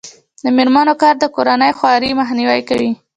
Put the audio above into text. د میرمنو کار د کورنۍ خوارۍ مخنیوی کوي.